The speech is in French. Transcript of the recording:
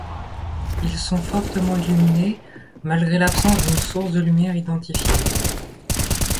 Ils sont fortement illuminés malgré l'absence d'une source de lumière identifiée.